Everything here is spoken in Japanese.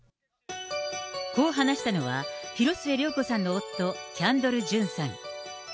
こう話したのは、広末涼子さんの夫、キャンドル・ジュンさん。